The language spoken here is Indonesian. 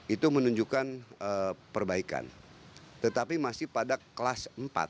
itu menunjukkan perbaikan tetapi masih pada kelas empat